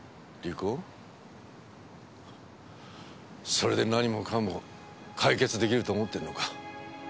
それで何もかも解決出来ると思ってんのか？